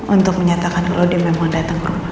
untuk menyatakan kalau dia memang datang ke rumah